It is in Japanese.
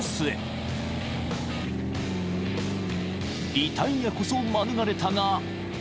［リタイアこそ免れたが］